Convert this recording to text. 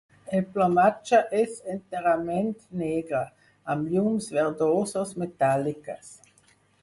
El plomatge és enterament negre, amb llums verdoses metàl·liques.